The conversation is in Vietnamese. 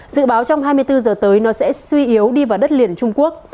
dự báo trong hai mươi bốn giờ tới nó sẽ suy yếu đi vào đất liền trung quốc